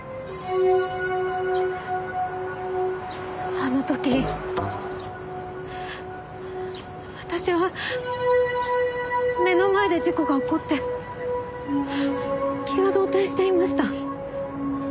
あの時私は目の前で事故が起こって気が動転していました。